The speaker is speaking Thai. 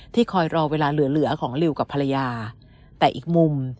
คอยรอเวลาเหลือเหลือของลิวกับภรรยาแต่อีกมุม